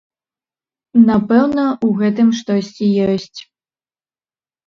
Напэўна, у гэтым штосьці ёсць.